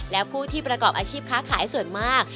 และผู้ที่ประกอบอาชีพค้าขายส่วนมาก